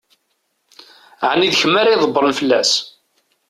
Ɛni d kemm ara ydebbṛen fell-as?